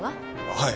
はい。